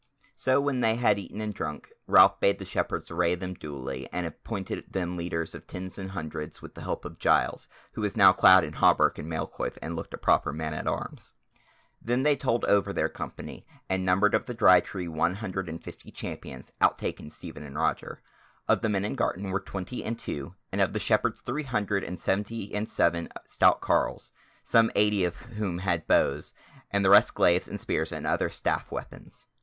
So when they had eaten and drunk, Ralph bade the Shepherds array them duly, and appointed them leaders of tens and hundreds with the help of Giles, who was now clad in a hauberk and mail coif and looked a proper man at arms. Then they told over their company, and numbered of the Dry Tree one hundred and fifty champions, outtaken Stephen and Roger; of the men of Garton were twenty and two, and of the Shepherds three hundred and seventy and seven stout carles, some eighty of whom had bows, and the rest glaives and spears and other staff weapons.